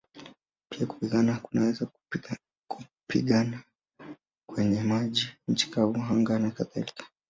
Pia kupigana kunaweza kupigana kwenye maji, nchi kavu, anga nakadhalika.